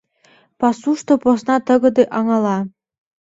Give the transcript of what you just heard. Пасушто посна тыгыде аҥала.